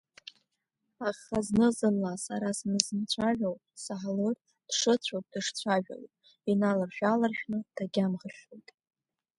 Аха зны-зынла сара санызмыцәало, исаҳалоит дшыцәо дышцәажәало, иналаршә-ааларшәны дагьамхаӷьуеит.